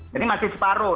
jadi masih separuh